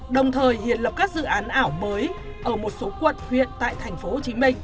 đồng thời hiện lập các dự án ảo mới ở một số quận huyện tại tp hcm